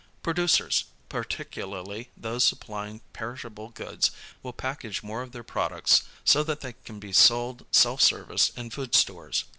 Producers, particularly those supplying perishable goods, will package more of their products so that they can be sold self service in food stores.